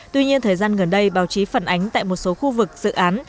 tuy nhiên thời gian gần đây báo chí phản ánh tại một số khu vực dự án